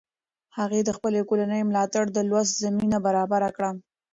هغې د خپلې کورنۍ ملاتړ د لوست زمینه برابره کړه.